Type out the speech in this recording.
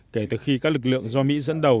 kể từ khi các lực lượng do mỹ dẫn đầu